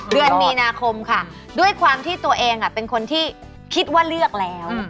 เดือนมีนาคมค่ะด้วยความที่ตัวเองเป็นคนที่คิดว่าเลือกแล้ว